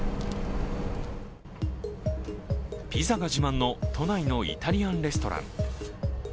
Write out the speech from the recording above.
ピザが自慢の都内のイタリアンレストラン。